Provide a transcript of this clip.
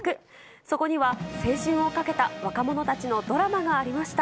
そこには青春をかけた若者たちのドラマがありました。